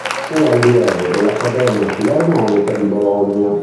Fu allievo dell'Accademia Filarmonica di Bologna.